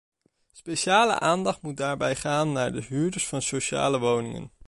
Speciale aandacht moet daarbij gaan naar de huurders van sociale woningen.